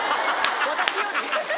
私より？